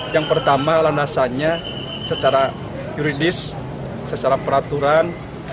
yang pertama landasannya secara yuridis secara peraturan